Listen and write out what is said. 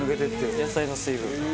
野菜の水分が。